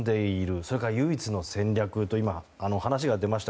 それから唯一の戦略と今、話が出ました